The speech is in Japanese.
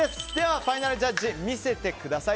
ファイナルジャッジ見せてください。